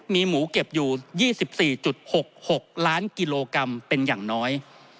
มีหมูเก็บอยู่๒๔๖๖ล้านกิโลกรัมเป็นอย่างน้อย